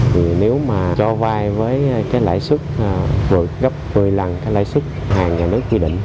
thì nếu mà ro vai với cái lãi suất vượt gấp một mươi lần cái lãi suất hàng nhà nước quy định